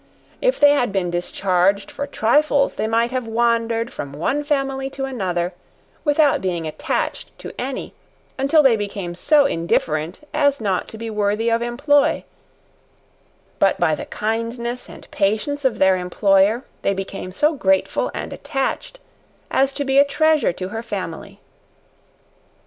If they had been discharged for trifles, they might have wandered, from one family to another, without being attached to any, until they became so indifferent, as not to be worthy of employ, but by the kindness and patience of their employer, they became so grateful and attached, as to be a treasure to her family.